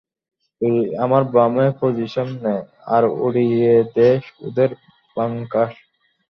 তুই আমার বামে পজিশন নে, আর উড়িয়ে দে ওদের বাঙ্কার।